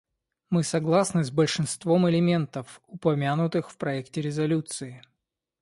Мы согласны с большинством элементов, упомянутых в проекте резолюции.